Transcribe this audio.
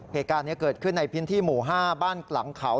เหตุการณ์นี้เกิดขึ้นในพื้นที่หมู่๕บ้านหลังเขา